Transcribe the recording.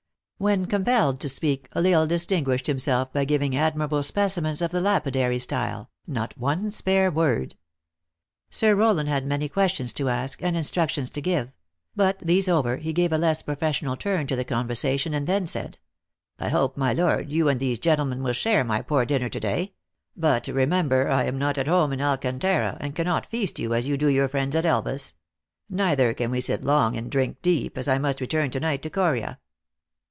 When compelled to speak, L Isle THE ACTKESS IN HIGH LIFE. distinguished himself by giving admirable specimens of the lapidary style, not one spare word. Sir How land had many questions to ask and instructions to give ; but, these over, he gave a less professional turn to the conversation, and then said : "I hope, my lord, you and these gentlemen will share my poor dinner to day ; but remember, 1 am not at home in Alcan tara, and cannot feast you, as yon do your friends at Elvas ; neither can we sit long and drink deep, as I must return to night to Coria."